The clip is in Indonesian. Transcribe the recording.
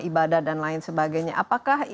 ibadah dan lain sebagainya apakah